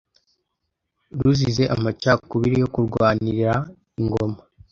ruzize amacakubiri yo kurwanira Ingoma